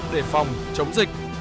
để phòng chống dịch